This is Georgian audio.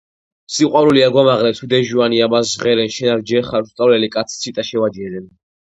სიყვარული აგვამაღლებს ვით ეჟვანნი ამას ჟღერენ შენ არ ჯერხარ უსწავლელი კაცი ციტა შევაჯერენ